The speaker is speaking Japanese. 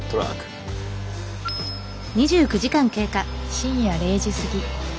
深夜０時過ぎ。